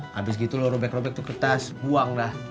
habis gitu lo robek robek ke kertas buang dah